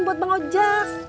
buat bang oja